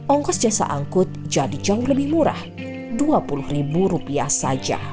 ongkos jasa angkut jadi jauh lebih murah rp dua puluh ribu rupiah saja